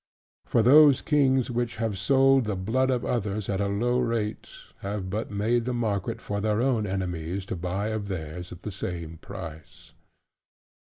For those kings which have sold the blood of others at a low rate; have but made the market for their own enemies, to buy of theirs at the same price.